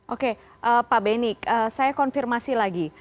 oke pak benny saya konfirmasi lagi